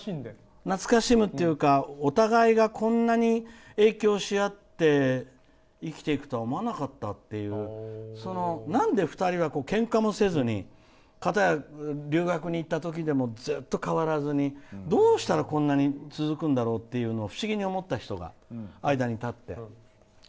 懐かしんでというか、お互いがこんなに影響し合って生きていくとは思わなかったというなんで二人がけんかもせずにかたや留学に行ったときもずっと変わらずにどうしたらこんなに続くんだろうと不思議に思った人が間に立って。